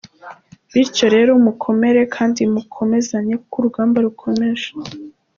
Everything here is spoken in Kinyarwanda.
Bityo rero mukomere kandi mukomezanye kuko urugamba rurakomeje.